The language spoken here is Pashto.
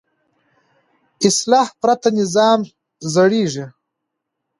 اصلاح پرته نظام زړېږي